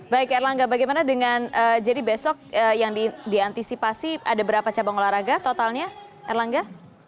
baik erlangga bagaimana dengan jadi besok yang diantisipasi ada berapa cabang olahraga totalnya erlangga